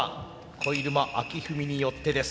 肥沼晃史によってです。